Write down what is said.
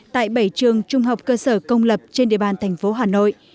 tại bảy trường trung học cơ sở công lập trên địa bàn thành phố hà nội